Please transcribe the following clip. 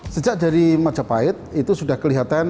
sejak dari majapahit itu sudah kelihatan